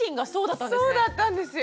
そうだったんですよ。